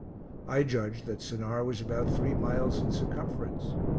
I judged that Sennaar was about three miles in circumference.